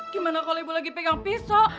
gimana kalau ibu lagi pegang pisau